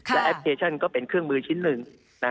และแอปพลิเคชันก็เป็นเครื่องมือชิ้นหนึ่ง